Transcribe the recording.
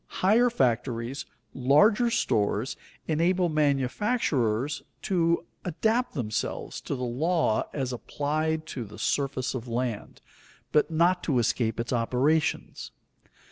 Higher factories, larger stores, enable manufacturers to adapt themselves to the law as applied to the surface of land, but not to escape its operations.